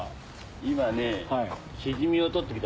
今ねシジミを採ってきたんです。